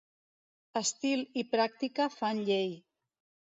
Estil i pràctica fan llei.